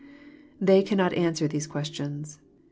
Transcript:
Tbey cannot answer these questions.